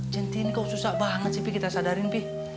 centini kok susah banget sih pi kita sadarin pi